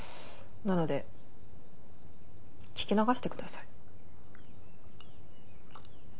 なので聞き流してください。